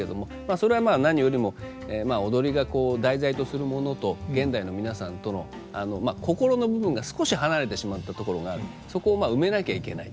それはまあ何よりも踊りが題材とするものと現代の皆さんとの心の部分が少し離れてしまったところがあるのでそこを埋めなきゃいけない。